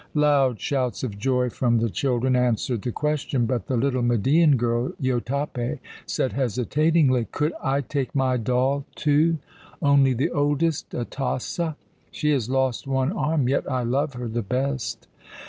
Loud shouts of joy from the children answered the question; but the little Median girl, Jotape, said hesitatingly: "Could I take my doll too only the oldest, Atossa? She has lost one arm, yet I love her the best."